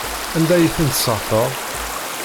Anda ay ten-tesseɣtaḍ?